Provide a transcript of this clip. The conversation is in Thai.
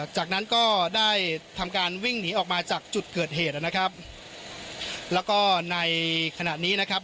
จากนั้นก็ได้ทำการวิ่งหนีออกมาจากจุดเกิดเหตุนะครับแล้วก็ในขณะนี้นะครับ